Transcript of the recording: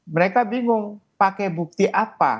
mereka bingung pakai bukti apa